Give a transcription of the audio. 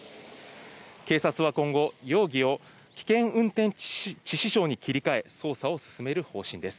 警察は今後容疑を危険運転致死傷に切り替え、捜査を進める方針です。